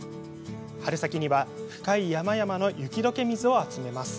春先には深い山々の雪どけ水を集めます。